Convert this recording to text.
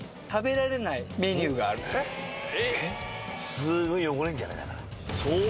すごい汚れんじゃない？だから。